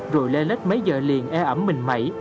rồi lên lết mấy giờ liền e ẩm mình mẩy